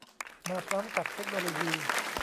มาพร้อมกับเทคโนโลยี